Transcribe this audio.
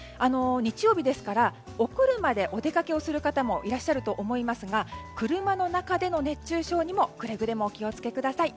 日曜日ですからお車でお出かけをする方もいらっしゃると思いますが車の中での熱中症にもくれぐれもお気を付けください。